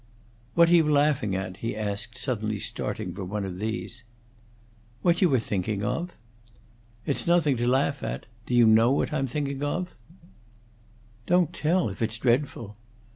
"What are you laughing at?" he asked, suddenly starting from one of these. "What you are thinking of." "It's nothing to laugh at. Do you know what I'm thinking of?" "Don't tell, if it's dreadful."